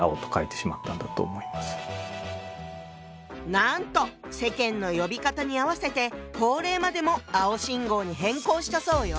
なんと世間の呼び方に合わせて法令までも「青信号」に変更したそうよ。